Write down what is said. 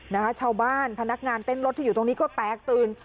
นะคะชาวบ้านพนักงานเต้นรถที่อยู่ตรงนี้ก็แตกตื่น